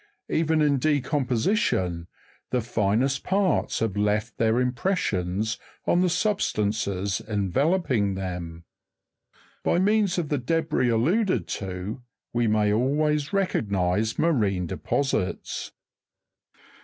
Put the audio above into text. Even in decomposition, the finest parts have left their impressions on the substances enveloping them. By means of the debris alluded to, we may always recognize marine deposits.